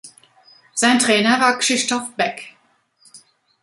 Sein Trainer war Krzysztof Beck.